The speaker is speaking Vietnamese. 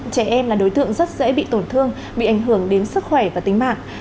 trẻ em là đối tượng rất dễ bị tổn thương bị ảnh hưởng đến sức khỏe và tính mạng